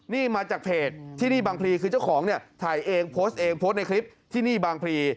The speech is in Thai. นี่มาจากเพจที่นี่บางพลีคือเจ้าของเนี่ยถ่ายเองโพสต์เองโพสต์ในคลิปที่นี่บางพลี